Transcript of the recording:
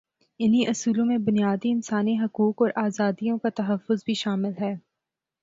انہی اصولوں میں بنیادی انسانی حقوق اور آزادیوں کا تحفظ بھی شامل ہے۔